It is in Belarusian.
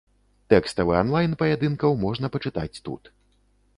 Тэкставы анлайн паядынкаў можна пачытаць тут.